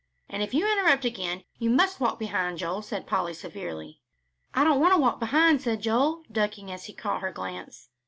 "And if you interrupt again, you must walk behind, Joel," said Polly, severely. "I don't want to walk behind," said Joel, ducking as he caught her glance.